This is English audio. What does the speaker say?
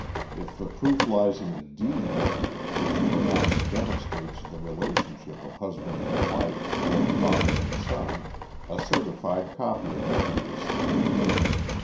If the proof lies in a deed, which perhaps demonstrates the relationship of husband and wife, or father and son, a certified copy of the deed is secured.